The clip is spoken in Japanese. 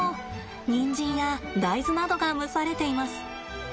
ニンジンや大豆などが蒸されています。